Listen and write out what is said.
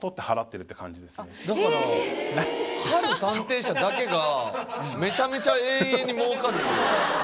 だからＨＡＬ探偵社だけがめちゃめちゃ永遠にもうかる。